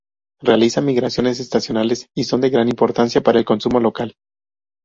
Realizan migraciones estacionales y son de gran importancia para el consumo local.